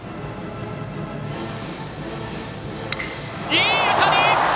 いい当たり！